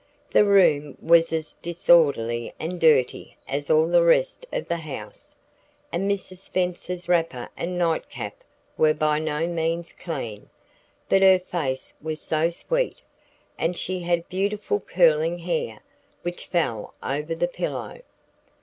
The room was as disorderly and dirty as all the rest of the house, and Mrs. Spenser's wrapper and night cap were by no means clean, but her face was sweet, and she had beautiful curling hair, which fell over the pillow.